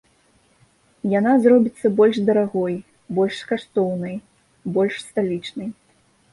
Яна зробіцца больш дарагой, больш каштоўнай, больш сталічнай.